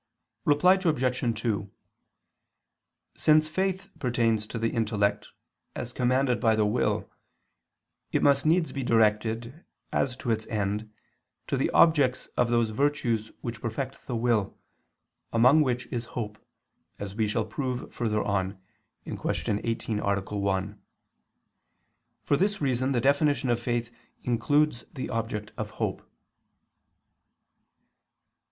Reply Obj. 2: Since faith pertains to the intellect as commanded by the will, it must needs be directed, as to its end, to the objects of those virtues which perfect the will, among which is hope, as we shall prove further on (Q. 18, A. 1). For this reason the definition of faith includes the object of hope.